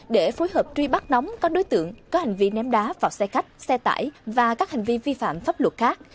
để phối hợp truy bắt nóng các đối tượng có hành vi ném đá vào xe khách xe tải và các hành vi vi phạm pháp luật khác